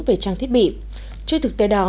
về trang thiết bị trên thực tế đó